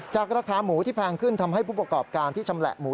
ราคาหมูที่แพงขึ้นทำให้ผู้ประกอบการที่ชำแหละหมู